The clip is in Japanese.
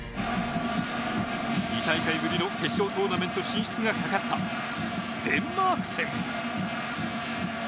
２大会ぶりの決勝トーナメント進出がかかったデンマーク戦。